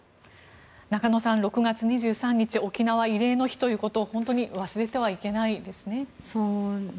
中野さん、６月２３日沖縄慰霊の日ということを本当に忘れてはいけないですね。